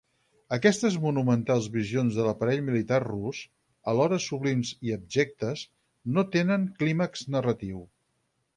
Aquestes monumentals visions de l'aparell militar rus, alhora sublims i abjectes, no tenen clímax narratiu.